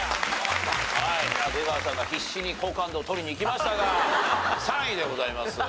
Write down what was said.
はい出川さんが必死に好感度を取りにいきましたが３位でございます。